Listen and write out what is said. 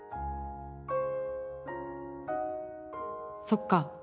そっか。